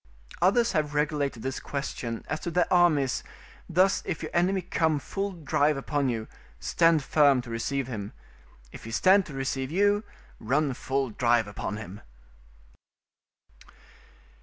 Others have regulated this question as to their armies thus if your enemy come full drive upon you, stand firm to receive him; if he stand to receive you, run full drive upon him.